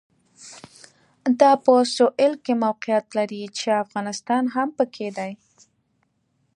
دا په سوېل کې موقعیت لري چې افغانستان هم پکې دی.